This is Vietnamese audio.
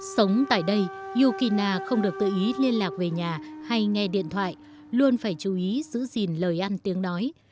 sống tại đây yukina không được tự ý liên lạc về nhà hay nghe điện thoại luôn phải chú ý giữ gìn lời ăn tiếng nói